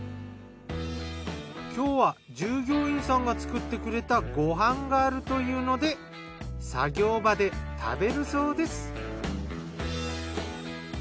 今日は従業員さんが作ってくれたご飯があるというので作業場で食べるそうです。